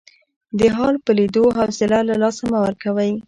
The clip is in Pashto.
د حال په لیدو حوصله له لاسه مه ورکوئ.